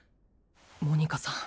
モニカさん